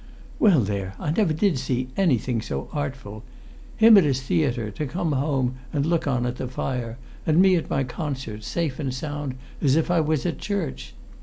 "Well, there, I never did see anything so artful! Him at his theatre, to come home and look on at the fire, and me at my concert, safe and sound as if I was at church!